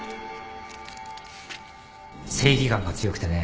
正義感が強くてね